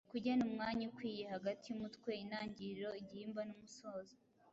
Kugena umwanya ukwiye hagati y’umutwe, intangiriro, igihimba n’umusozo.